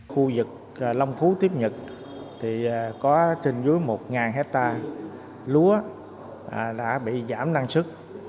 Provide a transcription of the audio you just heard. khu vực long phú tiếp nhật có trên dưới một hectare lúa đã bị giảm năng sức